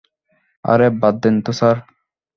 আরে, বাদ দেন তো, স্যার!